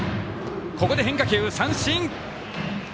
ここで変化球、三振！